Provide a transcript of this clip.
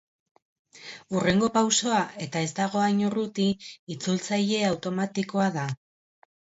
Hurrengo pausoa, eta ez dago hain urruti, itzultzaile automatikoa da.